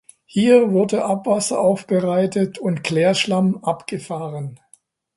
Hier wurde Abwasser aufbereitet und Klärschlamm abgefahren.